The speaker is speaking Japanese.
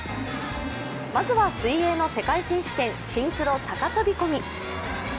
まずは、水泳の世界選手権シンクロ高飛び込み。